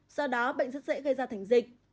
do đó bệnh rất dễ gây ra thành dịch